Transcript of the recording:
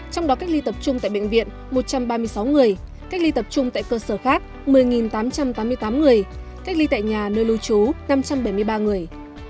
trong đó cách ly tập trung tại bệnh viện một trăm ba mươi sáu người cách ly tập trung tại cơ sở khác một mươi tám trăm tám mươi tám người cách ly tại nhà nơi lưu trú năm trăm bảy mươi ba người